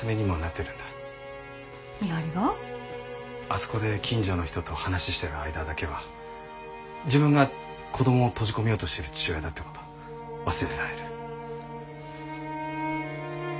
あそこで近所の人と話ししてる間だけは自分が子どもを閉じ込めようとしてる父親だってこと忘れられる。